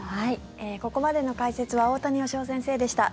ここまでの解説は大谷義夫先生でした。